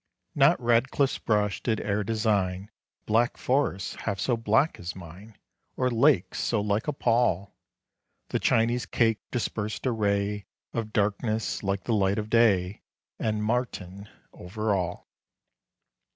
Not Radcliffe's brush did e'er design Black Forests half so black as mine, Or lakes so like a pall; The Chinese cake dispersed a ray Of darkness, like the light of Day And Martin over all.